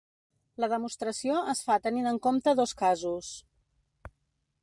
La demostració es fa tenint en compte dos casos.